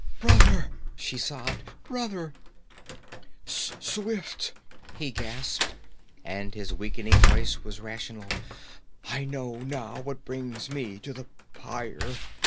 'Brother!' she sobbed. 'Brother ' 'Swift!' he gasped, and his weakening voice was rational. 'I know now what brings me to the pyre.